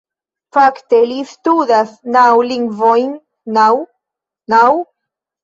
Fakte, li studas naŭ lingvojn naŭ? naŭ